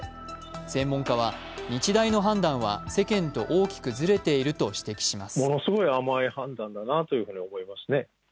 専門家は日大の判断は世間と大きくずれていると指摘します。